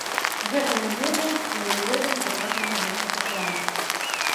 Гэта мы ведаем, але не ведаем дакладнага месца пахаванняў.